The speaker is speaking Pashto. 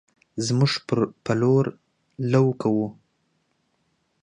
زمونږ په لور لو کوو